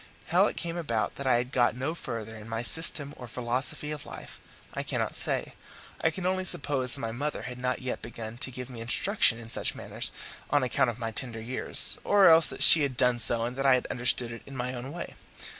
How it came about that I had got no further in my system or philosophy of life I cannot say; I can only suppose that my mother had not yet begun to give me instruction in such matters on account of my tender years, or else that she had done so and that I had understood it in my own way.